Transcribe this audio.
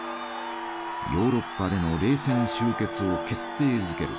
ヨーロッパでの冷戦終結を決定づける